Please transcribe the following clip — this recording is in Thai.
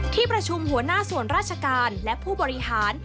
ที่ประชุมหัวหน้าส่วนราชการและผู้บริหาร